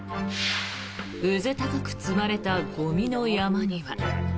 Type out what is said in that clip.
うずたかく積まれたゴミの山には。